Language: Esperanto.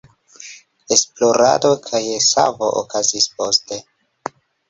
Esplorado kaj savo okazis poste.